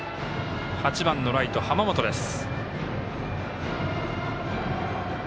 ８番のライト、濱本です。